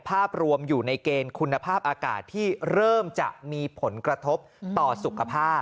ภาพรวมอยู่ในเกณฑ์คุณภาพอากาศที่เริ่มจะมีผลกระทบต่อสุขภาพ